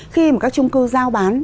khi mà các trung cư giao bán